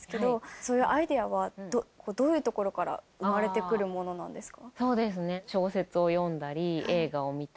そういうアイデアはどういうところから生まれてくるんですか？